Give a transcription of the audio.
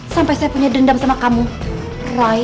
sampai saya punya dendam sama kamu